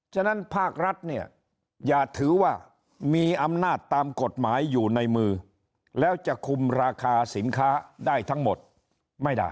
ฉะนั้นภาครัฐเนี่ยอย่าถือว่ามีอำนาจตามกฎหมายอยู่ในมือแล้วจะคุมราคาสินค้าได้ทั้งหมดไม่ได้